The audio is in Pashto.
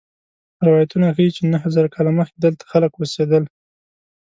روایتونه ښيي چې نهه زره کاله مخکې دلته خلک اوسېدل.